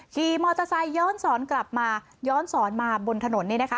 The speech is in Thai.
ขี่มอเตอร์ไซค์ย้อนสอนกลับมาย้อนสอนมาบนถนน